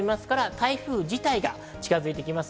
台風自体が近づいてきます。